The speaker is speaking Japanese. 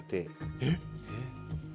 えっ？